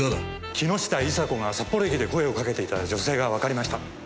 木下伊沙子が札幌駅で声をかけていた女性がわかりました。